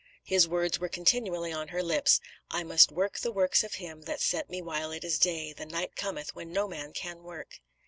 His words were continually on her lips: 'I must work the works of Him that sent me while it is day; the night cometh when no man can work.'"